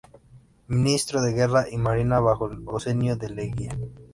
Ministro de Guerra y Marina bajo el Oncenio de Leguía.